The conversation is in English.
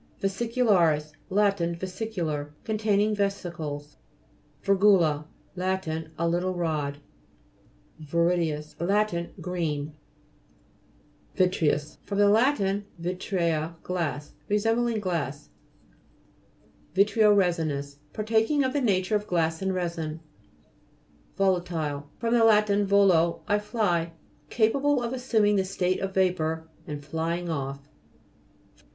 VESICULA'RIS Lat. Vesicular ; con taining vesicles. VI'RGULA Lat. A little rod. VI'RIDIS Lat. Green. VI'TREOCS fr. lat. vitrea, glass. Re sembling glass. VI'TREO HES'INOUS Partaking of the nature of glass and resin. VO'LATILE fr. lat. volo, I fly. Capa ble of assuming the state of vapour, and flying off.